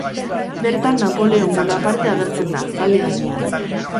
Bertan Napoleon Bonaparte agertzen da, zaldi gainean.